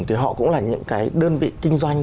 thì họ cũng là những cái đơn vị kinh doanh